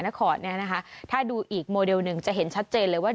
นครเนี่ยนะคะถ้าดูอีกโมเดลหนึ่งจะเห็นชัดเจนเลยว่า